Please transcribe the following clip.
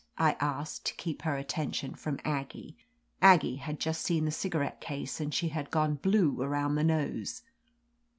I asked, to keep her attention from Aggie Aggie had just seen the cigarette case and she had gone blue around the nose.